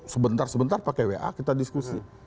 sebentar sebentar pakai wa kita diskusi